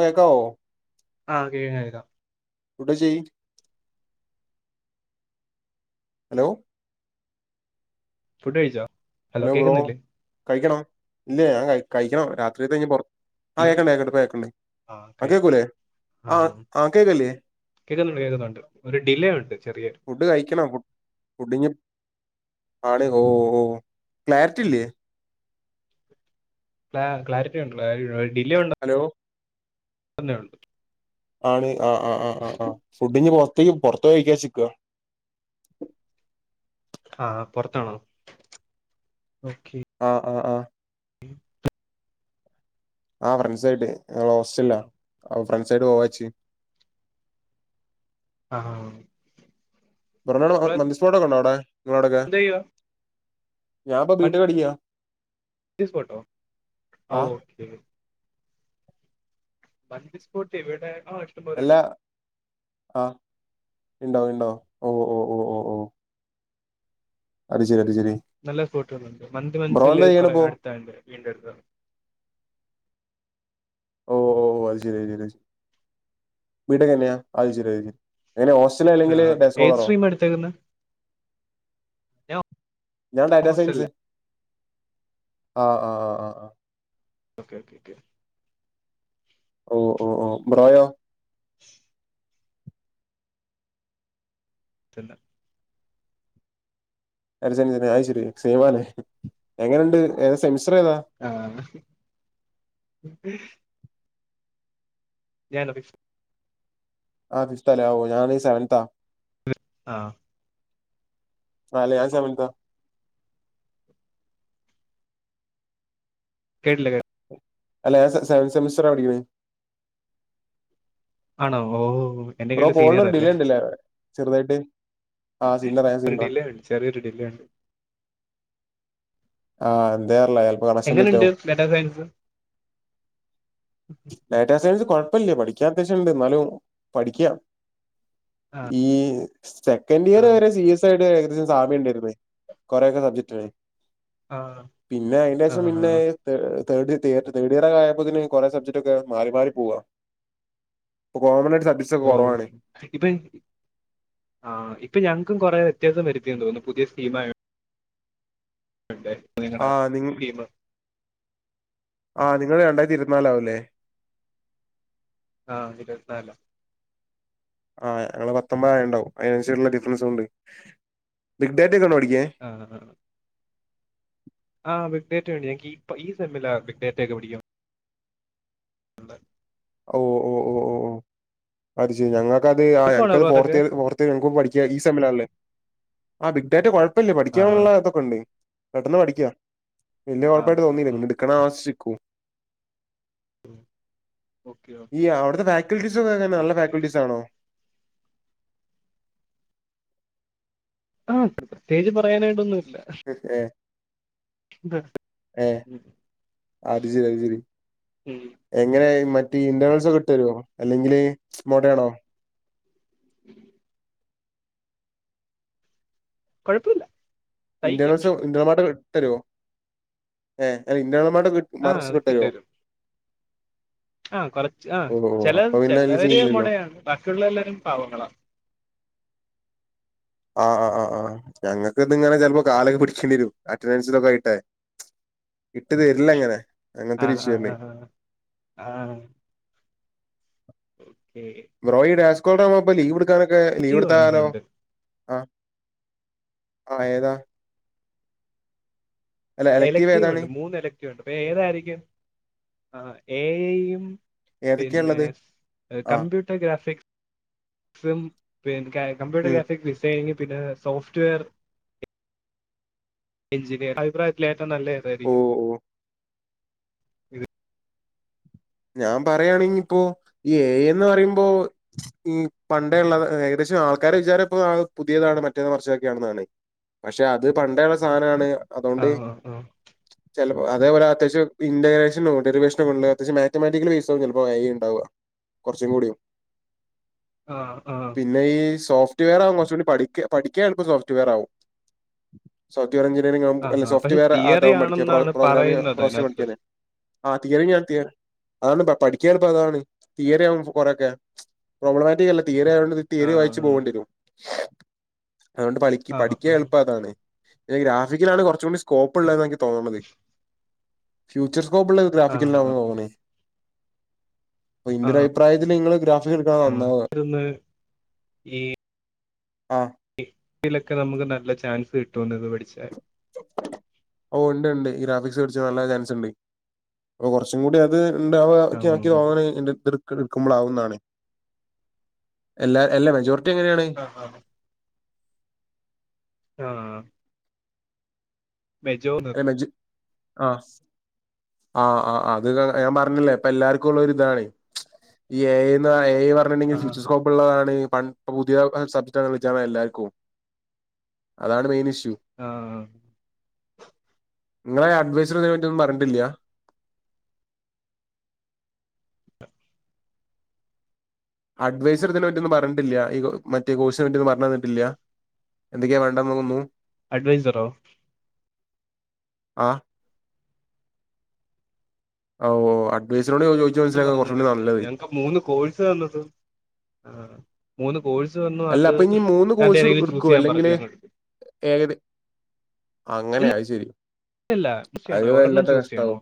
കേക്കാവോ ആഹ് കേക്കാം ഫുഡ് കഴിച്ചോയ്യ് ഹലോ ഫുഡ് കഴിച്ചോ ഹലോ ബ്രോ കഴിക്കണം ഇല്ലേ ഞാൻ കഴിക്കണം രാത്രത്തെ ഇനി പൊറ ആഹ് കേക്കണ്ട് കേക്ക്ണ്ട് ആ പ്പം കഴി കേക്ക് ണ്ട് അൻക്ക് കേക്കൂലേ ആ ആ കേക്കല്ലേ കേക്കുന്നുണ്ട് കേക്കുന്നുണ്ട് ഒരു ഡിലേ ഉണ്ട് ചെറിയൊരു ഫുഡ് കഴിക്കണം ഫു ഫുഡിംഗ് ആണ് ഓ ഓ ക്ലാരിറ്റി ഇല്ലേ ക്ലാ ക്ലാരിറ്റി ഉണ്ട് ഡിലേ ഉണ്ട് ഹലോ തന്നെ ഉണ്ട് ആണ് ആ ആ ആ ആ ആ ഫുഡിഞ്ഞി പുറത്തേക്ക് പുറത്ത് പോയി കഴിക്കാ വിചാരിചിക്ക ആഹ് പൊർത്താണോ ഓക്കെ ആഹ് ആഹ് ആഹ് ആഹ് ഫ്രണ്ട്സ് ആയിട്ട് ഞങ്ങള് ഹോസ്റ്റല അ ഫ്രണ്ട്സ് ആയിട്ട് പോവാച്ച് ആഹ് ആഹ് [unintelligible] മന്തി സ്പോട്ട് ഒക്കെ ഉണ്ടോ അവ്ടെ നിങ്ങളവ്ടെക്കെ എന്ത് ചെയ്യുവാ ഞാൻപ്പൊ ബി ടെ ക്ക് മന്തി പഠിക്കാ സ്പോട്ടോ ആ ഓക്കെ മന്തി സ്പോട്ട് ഇവിടെ ഓണ്ട് എല്ലാ ആ ഉണ്ടോ ഉണ്ടോ ഓ ഓ ഓ ഓ ഓ അത് ശരി അത് ശരി നല്ല സ്പോടുണ്ട് മന്തി ബ്രോ മനസ്സില് എന്താ കൊറെ ചെയ്യണിപ്പോ അടുത്തുണ്ട് വീടിന് അടുത്ത് ഓ ഓ അത് ശരി അത് ശരി വീട്ടൊക്കെന്നെയാ അത് ശരി എങ്ങനെ ഹോ സ്‌റ്റലോ അല്ലെങ്കിൽ ഡേസ് ഓണറോ തേടുന്നത് ഞാൻ ഡാറ്റാ സയൻസ് ഹോസ്റ്റലില്ല ആഹ് ആഹ് ആഹ് ഓക്കെ ഓക്ക ഓക്കെ ഓഹ് ഓഹ് ഓഹ് ബ്രോയോ റ്റല്ല ഡാറ്റ സയൻസിലെ അയ്ശരി സേയ്മാലെ എങ്ങനെയുണ്ട് ഏതാ സെമസ്റ്റർ ഏതാ ആഹ് ഞനോ ഫിഫ്ത് ആ ഫിഫ്താലെ ആ ഓ ഞാന് സെവൻതാ ആഹ് അല്ലേ ഞാൻ സെവൻതാ കേട്ടില്ല കേ അല്ല ഞാൻ സെവൻ സെമസ്റ്ററാ പഠിക്കുന്നെ ആണോ ഓ എന്നെ ബ്രോ കേട്ട് സീനിയർ കോളിലൊരു അല്ലേ ഡിലേണ്ട്ല്ലേ ചെറുതായിട്ട്. ആ സീനറാ ഞാൻ ഒരു സീനറാ ഡിലേണ്ട് ചെറിയൊരു ഡിലേയുണ്ട്. ആ എന്തേർലെ ചെലപ്പം കണക്ഷൻ [unintelligible] എങ്ങനെയുണ്ട് റ്റവും ഡാറ്റാ സയൻസ് ഡാറ്റാ സയൻസ് കുഴപ്പില്ല പഠിക്കാൻ അത്യാവശ്യം ഇണ്ട് എന്നാലും പഠിക്കാം ആ ഈ സെക്കൻഡ് ഇയർ വരെ സി എസ് ടെ സാമ്യം ണ്ടെര്ന്നു കൊറെയൊക്കെ സബ്ജക്ട്കളെ ആഹ് പിന്നെ അതിന് ശേഷം പിന്നെ തേ തേഡ് തിയറ്റ് തേഡ് ഇയറൊക്കെ ആയപ്പോത്തിന് കുറെ സബ്ജക്ട് ഒക്കെ മാറി മാറി പോവാ. ഇപ്പ കോമണായിട്ട് സഡിസ് ഓ ഇപ്പ ആ ഇപ്പൊ ഞങ്ങൾക്ക് കൊറേ വ്യത്യാസം വരുത്തിയെന്ന് തോന്നുന്നു പുതിയ സ്കീം ആയ [unintelligible] ടാ ആ നി സ്‌കീമ് ആ നിങ്ങള് രണ്ടായിരത്തി ഇരുപത്തിനാലാവൂല്ലേ ആ ഇരുപത്തിനാലിലെ ആ ഞങ്ങള് പത്തൊമ്പതായേണ്ടാവും. അതിനനുസരിച്ചുള്ള ഡിഫറൻസ് ഉണ്ട്. ഡി ഗ് ടാറ്റ് ചെയ്തതാണോ പഠിക്കാൻ ആ ഹ് ആഹ് ആ ബിഗ്ഡേറ്റ് വേണ്ടി ഞങ്ങക്കീ ഈ സെമ്മിലാ ആ ബിഗ് ഡേറ്റൊക്കെ പഠിക്കാ ഉണ്ട് ഓ ഓ ഓ ഓ ഓ പഠിച്ചു. ഞങ്ങൾക്കത് ആ എളുപ്പമാണോ ഞങ്ങക്കത് ബ്രോ അതൊക്കെ ഫോർത്തിയറ് ഫോർത്ത് ഞങ്ങക്കും ഈ സെമ്മിലാ ഒള്ളേ ആ ബിഗ്ഡാറ്റ കുഴപ്പല്ല ആ പഠിക്കാനുള്ള ഇതൊക്ക ഉണ്ട് പെട്ടെന്ന് പഠിക്കാവലിയ ആ കുഴപ്പായിട്ട് തോന്നിയില്ല ആ പിന്നെ എടുക്കണ ആളെ അനുസരിച്ചിക്കും ഓക്കെ ഈ ഓക്കെ അവിടുത്തെ ഫാക്കൽട്ടീസ് ഒക്കെ എങ്ങനാ ബിഗ് നല്ല ഡേറ്റ ഫാക്കൽട്ടീസ് ആണോ ആ പ്രത്യേകിച്ച് പറയാനായിട്ടൊന്നൂല്ല. പിന്നെ ഏ ഉം. [unintelligible] ഉം. എങ്ങനെ മറ്റേ ഇന്റേണൽസ് ഒക്കെ ഇട്ടു തരോ? അല്ലെങ്കില് മോഡേണോ? കുഴപ്പൊല്ല ഇന്റേർണൽസൊ ഇന്റണൽമാർട്ട് ഇട് തരോഏ ഇന്റേർണൽമാർട്ട് ഇട്ട് ആ അതൊക്കെ തരുവോ ഇട്ടരും ആ കുറച്ച് ആ ഓഹ് ഓഹ് ചില അപ്പൊ പിന്നെ അതില് ചിലവര് സീനില്ലല്ലോ മൊടയാണ് ബാക്കിയുള്ള എല്ലാരും പാവങ്ങളാ ആ ആ ആ ആ ഞങ്ങൾക്ക് ഇതിങ്ങടെ ചിലപ്പോ കാലൊക്കെ പിടിക്കേണ്ടി വരും അറ്റൻഡൻസിനൊക്കെ ആയിട്ടേ. ഇട്ട് തരില്ല അങ്ങനെ അങ്ങനത്തെ ആ ഒരു ആ ഇഷ്യൂ ണ്ട് ആ ആ ഓക്കേ. ബ്രോ [unintelligible] ഇപ്പ ലീവ് എടുക്കാനൊക്കെ ലീവ് എലക്റ്റീവ് എടുത്താലോ വന്നിട്ടുണ്ട് ആ ഹ് അഏതാ അല്ല ആ എലക്റ്റീവ് ഇലക്ടീവ് ഏതാണ് ഉണ്ട് മൂന്ന് എലക്റ്റീവ് ഉണ്ട്അപ്പ ഏതായിരിക്കും ഏ ഐയും ഏതൊക്കെയാ പിന്നെ ഉള്ളത് ആഹ് കംമ്പ്യൂട്ടർ ഗ്രാഫിക്സ് ക്സും പിന്നെ കമ്പ്യൂട്ടർ ഉം ഗ്രാഫിക്സ് ഡിസൈനിങ്ങ് പിന്നെ സോഫ്റ്റ് വെയർ എഞ്ചിനിയർ അഭിപ്രായത്തിൽ ഏറ്റവും നല്ലത് ഏതായിരിക്കും ഓഹ് ഓഹ് ഇത് ഞാൻ പറയാണെങ്കി ഇപ്പോ ഈ എ. ഐന്നു പറയുമ്പോ മം പണ്ടേ ഉള്ള ഏകദേശം ആൾക്കാരുടെ വിചാരം ഇപ്പോ പുതിയതാണ് മറ്റേ മറചെക്കെയാണെന്നാണ്. പക്ഷെ അത് പണ്ടേള്ള സാനാണ്. ആ അതുകൊണ്ട് ആ ചെല അതേപോലെ അത്യാവശ്യം ഇൻ്ററഗ്രേഷനും ഡെറിവേഷനും ഉള്ള അത്യാവശ്യം മാ മാത്തമാറ്റിക്കലി ബേസാവുംചിലപ്പോ [unintelligible] ഉണ്ടാവ കുറച്ചും കൂടി ആഹ് ആഹ് പിന്നെ ഈ സോഫ്റ്റ്വെവെയർവും കൊറച്ചുകൂടി പഠിക്ക പഠിക്കാ എളപ്പം സോഫ്റ്റ്വെയർ ആകും സോഫ്റ്റവെയർ എഞ്ചിനിയറിങ്ങ് ആ ആവുമ്പം അല്ലെ ആ സോഫ്റ്റ് പക്ഷെ വെയർ അത് തിയറി ആവും പഠിക്ക്യാ പ്രോഗാ ആണെന്നാണ് പ്രോഗ്രാമി പറയുന്നത് പ്രോസസ്സിംഗ് അതിനകത്ത് പഠിക്കാനെ ആഹ് തിയെറി ഞാ തിയെ അതാണ് ഇപ്പ പഠിക്കാന് എൾപ്പം അതാണ് തിയെറി ആവുമ്പം കൊറെയൊക്കെ പ്രോബ്ലമാറ്റ് ചെയ്യാ ഇള്ളെ തിയെറി ആയോണ്ട് ഇത് ആ തീയറി വായിച്ചു പോകണ്ടിവരും അതുകൊണ്ട് പളിക്ക് ആ ആ പഠിക്കാൻ ആ എളുപ്പം അതാണ് ഗ്രാഫിക്കിലാണ് കൊറച്ചുകൂടി സ്കോപ്പ് ഉള്ളത്തെന്ന് എനിക്ക് തോന്നണത് ഫ്യൂച്ചർ സ്കോപ്പ് ഉള്ളത് ഇന്ന് ആ ട്രാഫിക്ക് ഇല്ലാന്ന് തോന്ന്ണെയ് അപ്പൊ ഇൻ്റെ ആ ആ ഒരു അഭിപ്രായത്തില് നിങ്ങള് ഗ്രാഫിക്സ് എടുക്കുന്നാത ആ നന്നാവുക ആ ഈ ആഹ് [unintelligible] നമുക്ക് നല്ല ചാൻസ് കിട്ടുംന്നെ ഇത് പഠിച്ചാൽ ഓ ഒണ്ട് ഒണ്ട് ഈ ഗ്രാഫിക്സ് പടിച്ചാ നല്ല ചാൻസ് ഉണ്ട് അപ്പൊ കുറച്ചും കൂടി അത് ഇണ്ടാവു ഒക്കെ ആഹ് ആക്കി ആക്കി [unintelligible] ക്കെ ഇട്ക്ക്മ്പളാവുന്നാണ് എല്ലാ എല്ലാ മെജോർറ്റി എങ്ങനെയാണ് ആഹ് ആഹ് ആഹ് മെജോർ [unintelligible] ആഹ് ആഹ് ആഹ് അത് ഞാൻ പറഞ്ഞില്ലേ ഇപ്പ എല്ലർക്ക [unintelligible] ഇതാണ് ഈ എ ഐ എ ഐ പറഞ്ഞിെങ്കിൽ [unintelligible] ഉള്ളതാണ് പണ്ട് പുതിയ സബ്ജക്ട് കളാണ് എല്ലാവർക്കും അതാണ് മെയിൻ ഇഷ്യൂ ആഹ് നിങ്ങളെ ആഡ്വൈസർ ഇതിനെ പറ്റി ഒന്നും പറഞ്ഞട്ടില്ല [unintelligible] അഡ്വെസർ ഇതിനെ പറ്റിന്നും പറഞ്ഞിട്ടില്ല ഈ മറ്റേ കോഴ്സിനെ പറ്റിന്നും പറഞ്ഞു തന്നിട്ടില്ല എന്തൊക്കെയാ വേണ്ടാന്നെത് ഒന്നും അഡ്വൈസർറോ ആഹ് ആഹ് ഓഹ് അഡ്വൈസറോട് ചോ ചോയ് പറഞ്ഞതല്ലേ ഞങ്ങക്ക് മൂന്ന് കോഴ്സ് വന്നത് ആ മൂന്ന് കോഴ്സ് വന്നു അല്ല അത് അപ്പൊ ഇനി രണ്ടേ തെങ്കിലും ചൂസ് ചെയ്യാൻ പറഞ്ഞു ഏകദെ അങ്ങനെയ ഇല്ല അയ്ശരി ഇല്ല ചൂസ് അഹ് ചെയ്യണോ ഒരെണ്ണം വല്ലാത്ത ചൂസ് കഷ്ട ചെയ്യണോ ആവും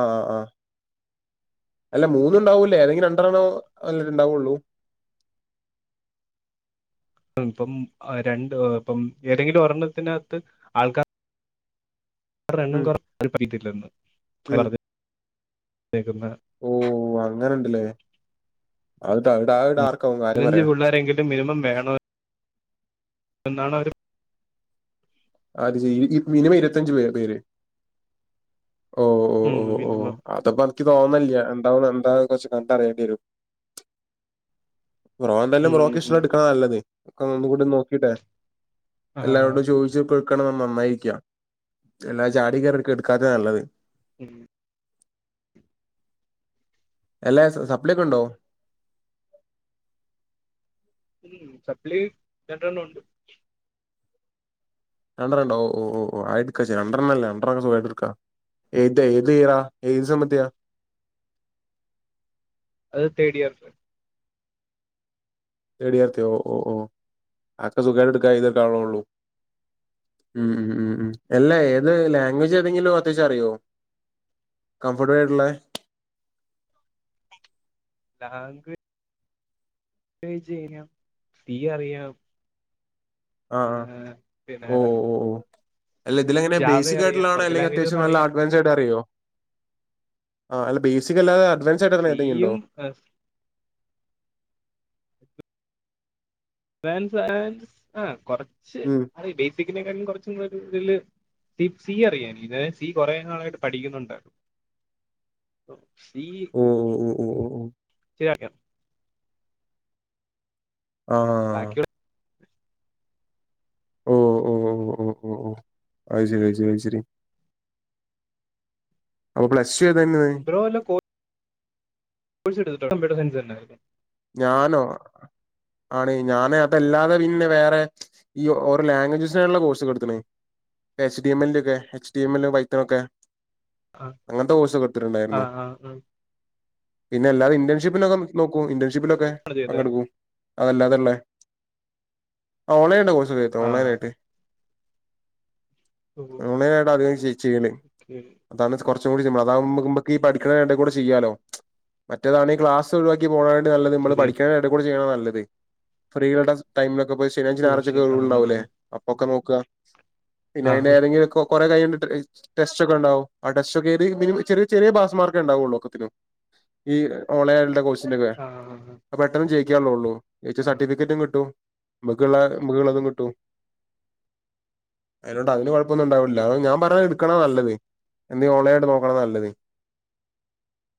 ആഹ് ആഹ് അല്ല മൂന്നുണ്ടാവൂല്ലേഏതെങ്കിലും രണ്ടെണ്ണോ നല്ല ഉണ്ടാവുള്ളൂ ഇപ്പം ആഹ് രണ്ട് ഏഹ് ഇപ്പം ഏതെങ്കിലും ഒരെണ്ണത്തിന് അകത്ത് ആൾക്കാ അവരുടെ എണ്ണം ഉം കൊറവ് ഉം [inaudible] ഓ അങ്ങനെ ഇണ്ട്ലെ അയ്താ അയ്ഡാ അയ്ഡാർ പതിനഞ്ച് പിള്ളേരെങ്കിലും മിനിമം വേണം എന്നാണ് അവര് അത് ചെയ്യ് മിനിമം ഇരുപത്തഞ്ച് പേര് ഓ ഓ ഉം ഓ ഓ മിനിമം ആ അപ്പോ എനിക്ക് തോന്ന്ന്നില്ല എന്താന്ന് എന്താ കുറച്ച് കണ്ടറിയണ്ടി വരും ബ്രോ എന്തായാലും ബ്രോക്ക് ഇഷ്ടം ഉം ഇള്ളെ ഇട്ക്ക്ണാ നല്ലെത് ഒക്കെ ഒന്നു കൂടി നോക്കീട്ടെയ് ആഹ് എല്ലാരോടും ചോയി ഇജ്ജും ഇപ്പ ഇട്ക്കെണം പർണെ നന്നായിര്ക്ക്യാ എല്ലാ ചാടി കെറി ഇട്ക്കാത്തെതാ നല്ലെത് ഉം അല്ലാ സപ്ലി ഒക്കെ ഇണ്ടോ? ഉം സപ്ലൈളി രണ്ട് എണ്ണം ഉണ്ട് രണ്ടെണ്ണം ഓ ഓ ഓ ആ എടുക്കാം രണ്ടെണ്ണം നല്ലേ രണ്ടെണ്ണംസുഖമായിട്ട് എടുക്കാം ഏത് ഏത് ഈയറാ ഏത് സെമ്മത്തയ അത് തേടിയർന് തേടിയെർ എത്തിയോ ഓഹ് ഓഹ് ഓഹ് അതൊക്കെ സുഖായിട്ട് ഇട്ക്കാ എഴ്തി എട്ക്കാവുള്ളെ ഒളളു ഉം ഉം ഉം ഉം എല്ല ഏത് ലാംഗ്വേജ് ഏതെങ്കിലും അത്യാവശ്യം അറിയോ കംഫർട്ടായിട്ടുള്ളേ ലാംഗ്വേ അങ്ങനെ ചോയിച്ച് കഴിഞ്ഞ തീ അറിയാം ആ ആ പിന്നെ ഓ ഓ ഓ ഓ അല്ല ഇതിലെങ്ങന ജാവ ബേസിക് അറിയാം ആയിട്ടുള്ളതാണോ കുറച്ച് അല്ലെങ്കിൽ ലാംഗ്വേജസ് അത്യാവശം നല്ല അറിയാം അഡ്വാൻസ് ആയിട്ട് അറിയോ ആ അല്ല ബേസിക് അല്ലാതെ അഡ്വാ ഫീയും അ ഫാൻസ് ഫാൻസ്‌ ആ കൊറച്ച് ഉം അറ ബേസിക്കിനെക്കാട്ടി കുറച്ചും കൂടെ ഒരു ഇതില് ടിപ്പ് സി അറിയാനിക്ക് ദേ സി കുറേ നാളായിട്ട് പഠിക്കുന്നുണ്ട് ഒ ബി ഓ ഓ ഓ ഓ ഓ ഓ. ശരിയാക്കിയോ ആഹ് ബാക്കിയുള്ള ഓ ഓ ഓ ഓ ഓ ഓ ഓ ആയിശരി ആയിശരി ആയിശരി അപ്പൊ പ്ലസ് ടു ഏതാരുന്ന് നീ ബ്രോ വല്ല കോ കോഴ്സ് എടുത്തിട്ടുണ്ട് കമ്പ്യൂട്ടർ സയൻസ് തന്നെ ഞാനോ ആണ് ഞാന് അതല്ലാതെ പിന്നെ വേറെ ഈ ഓരോ ലാംഗ്വേജസിനായിട്ടുള്ള കോഴ്സ്കൾ എടുത്ത്ക്കണ് എച്ച് റ്റി എം എൽ ന്റൊക്കെ എച്ച് റ്റി എം എൽ പൈത്തൊമൊക്കെ? ആ അങ്ങനത്തെ കോഴ്സ്ഒക്കെ ഒത്തിരി ആ ഉണ്ടായിരുന്നു ആ ആ. പിന്നെ അല്ലാതെ ഇന്റേൺഷിപ്പിലൊക്കെനോക്കൂ ഓ, ഇന്റേൺഷിപ്പിലൊക്കെ ആണ് ചെയ്തേ പങ്കെടുക്കൂ അതല്ലാത്ള്ളേ ആഹ് ഓൺലൈനായിണ്ട് കോഴ്സ് ഒക്കെ തോ ആ ഓൺലൈൻ ആയിട്ട് ഓൺലൈനായിട്ട് അധികം ചെ ചെയ്യല് ഓക്കെ അതാണ് കുറച്ചും കൂടി സിംപിൾ അതാകുമ്ബോ നമ്മക്ക് ഈ പഠിക്കണ എടെ കൂടെ ചെയ്യാലോ മറ്റേതാണെ ക്ലാസ് ഒഴിവാക്കി പോണെ ട്ടി നല്ലത് മ്മള് ശരി പഠിക്കണെടേ കൂടെ ചെയ്യണതാ നല്ലത് ഫ്രീയള്ള ടൈംലൊക്കെ പോയി ശനിയായ്ഴ്ച ഓ ഞായറാഴ്ച്ചൊക്കെ ശരി ആ ആ ഒഴിവുണ്ടാവൂല്ലേ അപ്പൊക്ക നോക്ക പിന്നെ ആ ആ അയിന് ഏതെങ്കിലും ഒക്കെ കുറെ കൈ ഞ്ഞിട്ട് ഇച് ടെസ്റ്റ് ഒക്കെണ്ടാവും ആ ടെസ്റ്റ് ഒക്കെ എഴുതി മിനിമം ചെറിയ ചെറിയ പാസ് മാർക്കേ ഉണ്ടാവുള്ള ഒക്കത്തിനും ഈ ഓൺലൈനായിട്ടുള്ള കോഴ്സിന്റെ ഒക്കെ ആഹഹ അപ്പെട്ടെന്ന് ജയിക്കാള്ളെള്ളൂ ജെയ്ച്ച സർട്ടിഫിക്കറ്റും കിട്ടും മ്മക്ക്ള്ള മ്മക്ക്ള്ളതും കിട്ടും അയിലോണ്ട് അതിന് കൊഴപ്പൊന്ന്ണ്ടാവുല്ല അതാഞാൻ പറഞ്ഞെ എടുക്കണാ നല്ലത് എന്തേ ഓൺലൈനായിട്ട് നോക്കണ നല്ലത്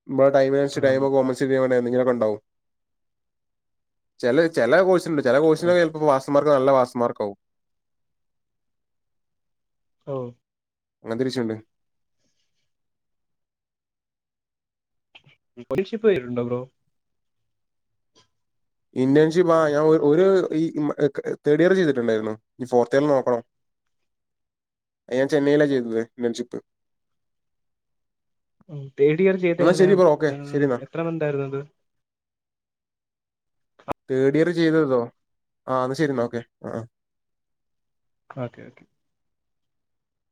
നമ്മടെ ടൈമിനച് ആഹ് ടൈമ് കോമ്പൻസേറ്റ് ചെയ്യാൻ വേണ്ടി എന്തെങ്കിലുമക്കെ ഉണ്ടാവും ചില ചില കോഴ്സുണ്ട് ചില കോഴ്സിന് അതാ ചിലപ്പോ പാസ്മാർക്ക് നല്ലപാസ്മാർക്ക് ആവും ഹലോ അങ്ങനതൊരു ഇഷ്യൂ ഒണ്ട് ഇന്റൺശിപ്പ് കയ്യില്ണ്ടോ ബ്രോ? ഇന്റേൺഷിപ്പ് ആ ഞാൻ ഒരു ഈ മ് ക്ക് തേർഡിയർ ചെയ്തിട്ടുണ്ടായിരുന്നു ഇഞ് ഫോർത്തിയറ് നോക്കണം. അത് ഞാൻ ചെന്നൈയിലാ ചെയ്തത് ഇന്റെൺഷിപ്പ് മ്മ് തേർഡിയർ ചെയ്ത എന്നാ ശരി എങ്ങനെയാ ബ്രോ ഓക്കെ ആ ശരി എന്നാ എത്ര മന്തായിരുന്നു അത് തേർഡ് ഇയർ ചെയ്തതോ ആ എന്ന ശരി എന്നാ ഓക്കെ ആ ഓക്കെ ഓക്കെ